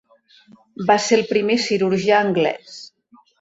Va ser el primer cirurgià anglès.